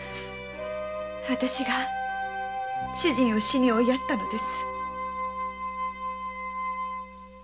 私が主人を死に追いやったのです‼